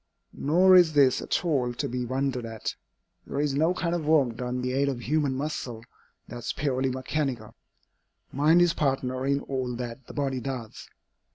Nor is this at all to be wondered at. There is no kind of work, done by the aid of human muscle, that is purely mechanical. Mind is partner in all that the body does.